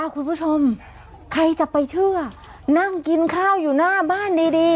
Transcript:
คุณผู้ชมใครจะไปเชื่อนั่งกินข้าวอยู่หน้าบ้านดี